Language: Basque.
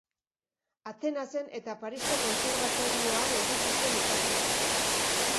Atenasen eta Parisko kontserbatorioan egin zituen ikasketak.